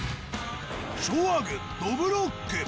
昭和軍、どぶろっく。